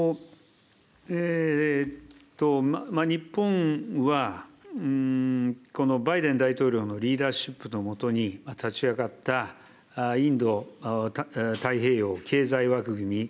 日本は、バイデン大統領のリーダーシップの下に立ち上がったインド太平洋経済枠組み・ＩＰＥＦを、